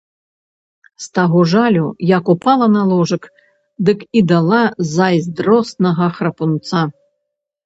З таго жалю, як упала на ложак, дык і дала зайздроснага храпунца.